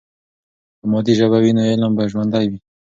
که مادي ژبه وي، نو علم به ژوندۍ وي.